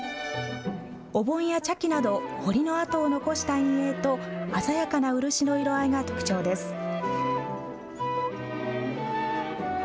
おぼんや茶器など彫りの跡を残した陰影と鮮やかな漆の色合いが特徴です。